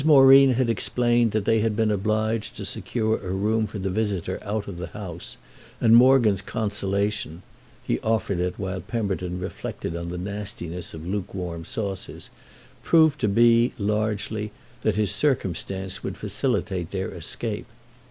Moreen had explained that they had been obliged to secure a room for the visitor out of the house; and Morgan's consolation—he offered it while Pemberton reflected on the nastiness of lukewarm sauces—proved to be, largely, that his circumstance would facilitate their escape.